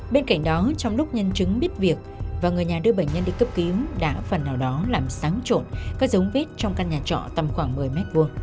bên cạnh đó trong lúc nhân chứng biết việc và người nhà đưa bệnh nhân đi cấp cứu đã phần nào đó làm sáng trộn các giống vết trong căn nhà trọ tầm khoảng một mươi m hai